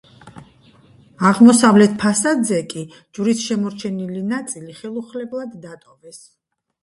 აღმოსავლეთ ფასადზე კი, ჯვრის შემორჩენილი ნაწილი ხელუხლებლად დატოვეს.